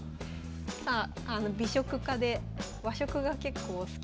さあ美食家で和食が結構好きという。